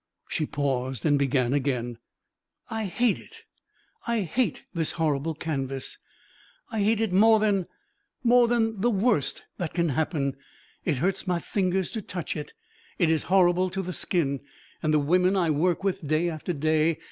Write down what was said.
She paused and began again. "I hate it! I hate this horrible canvas! I hate it more than more than the worst that can happen. It hurts my fingers to touch it. It is horrible to the skin. And the women I work with day after day!